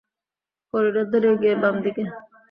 Corridor ধরে এগিয়ে বাম দিকে।